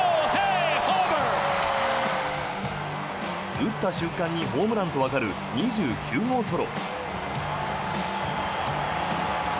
打った瞬間にホームランとわかる２９号ソロ。